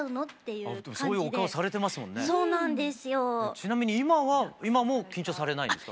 ちなみに今は今もう緊張されないんですか？